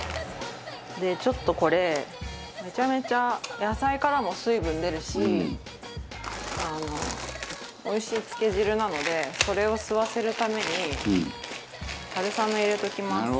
でちょっとこれめちゃめちゃ野菜からも水分出るしあのおいしい漬け汁なのでそれを吸わせるために春雨入れときます。